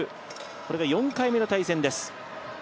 これが４回目の対戦です。